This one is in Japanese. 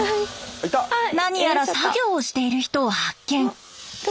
何やら作業している人を発見！